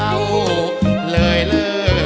ไม่ใช้